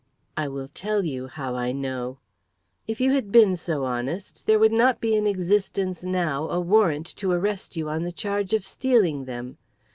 "I will tell you how I know. If you had been so honest there would not be in existence now a warrant to arrest you on the charge of stealing them.